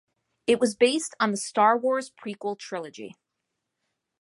It was based on the "Star Wars" prequel trilogy.